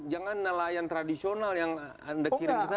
jangan nelayan tradisional yang anda kirim ke sana